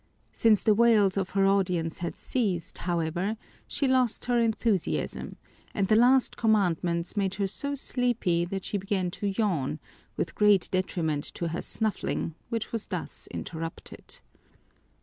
Since the wails of her audience had ceased, however, she lost her enthusiasm, and the last commandments made her so sleepy that she began to yawn, with great detriment to her snuffling, which was thus interrupted.